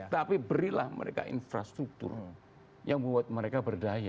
tapi berilah mereka infrastruktur yang buat mereka berdaya